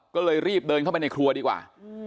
ก็เลยรีบเดินเข้าไปในครัวดีกว่า